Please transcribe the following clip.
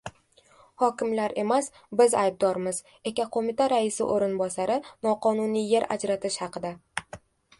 Hokimlar emas, biz aybdormiz – Ekoqo‘mita raisi o‘rinbosari noqonuniy yer ajratish haqida